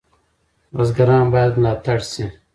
بزګران باید ملاتړ شي.